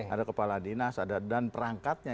ada kepala dinas ada dan perangkatnya